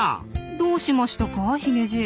どうしましたかヒゲじい？